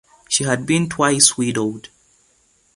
She had been twice widowed.